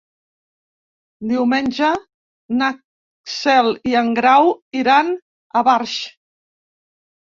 Diumenge na Cel i en Grau iran a Barx.